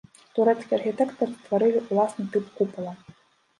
Турэцкія архітэктары стварылі ўласны тып купала.